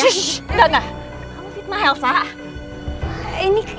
shhh enggak enggak